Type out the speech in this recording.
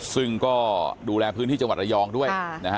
ซึ่งก็ดูแลพื้นที่จังหวัดระยองด้วยนะฮะ